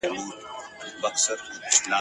هسي نه چي مي د پښو له لاسه مات سم !.